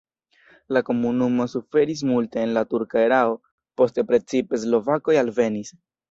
La komunumo suferis multe en la turka erao, poste precipe slovakoj alvenis.